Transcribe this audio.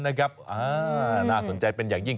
อ้าวน่าสนใจเป็นอย่างดี